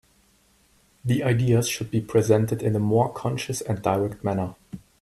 The ideas should be presented in a more concise and direct manner.